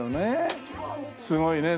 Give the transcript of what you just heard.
すごいね。